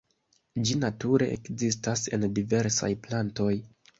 Ĝi nature ekzistas en diversaj plantoj.